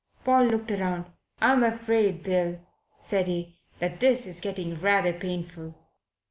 Paul looked round. "I'm afraid, Bill," said he, "that this is getting rather painful."